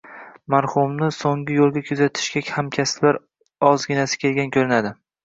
Marhumni so`ngi yo`lga kuzatishga hamkasblardan ozginasi kelgan ko`rinadi